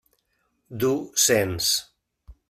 Du Sens.